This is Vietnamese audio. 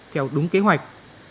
theo đúng kế hoạch